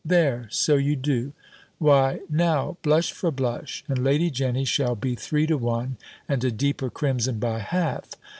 There, so you do Why now, blush for blush, and Lady Jenny shall be three to one, and a deeper crimson by half.